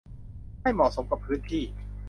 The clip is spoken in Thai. ให้เหมาะสมกับพื้นที่